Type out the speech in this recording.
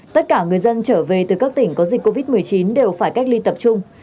tất cả người dân trở về từ các tỉnh có dịch covid một mươi chín đều phải cách ly tập trung